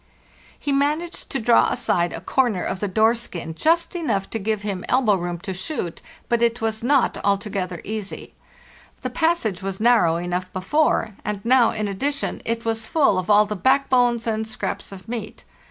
He managed to draw aside a corner of the door skin, just enough to give him elbow room to shoot; but it was not altogether easy. The passage was narrow enough before, and now, in addition, it was full of all the backbones and scraps of meat.